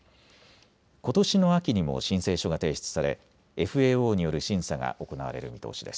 ことしの秋にも申請書が提出されＦＡＯによる審査が行われる見通しです。